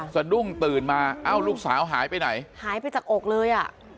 สะดุ้งตื่นมาเอ้าลูกสาวหายไปไหนหายไปจากอกเลยอ่ะ